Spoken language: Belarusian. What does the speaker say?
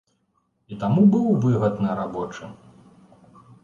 І таму быў выгадны рабочы.